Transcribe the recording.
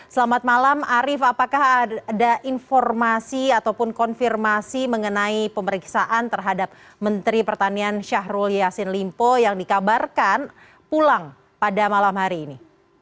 selamat malam arief apakah ada informasi ataupun konfirmasi mengenai pemeriksaan terhadap menteri pertanian syahrul yassin limpo yang dikabarkan pulang pada malam hari ini